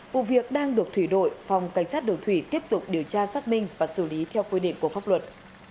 vụ việc đang được thủy đội phòng cảnh sát đường thủy tiếp tục điều tra xác minh và xử lý theo quy định của pháp luật